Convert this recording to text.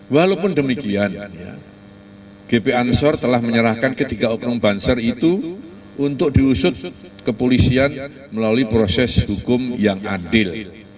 walaupun demikian gp ansor telah menyerahkan ketiga oknum banser itu untuk diusut kepolisian melalui proses hukum yang adil